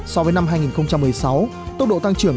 so với năm hai nghìn một mươi sáu tốc độ tăng trưởng